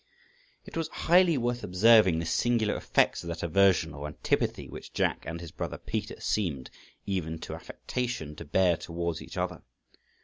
It was highly worth observing the singular effects of that aversion or antipathy which Jack and his brother Peter seemed, even to affectation, to bear towards each other.